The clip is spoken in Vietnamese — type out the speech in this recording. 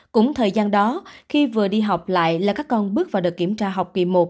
cũng thời gian đó khi vừa đi học lại là các con bước vào đợt kiểm tra học kỳ một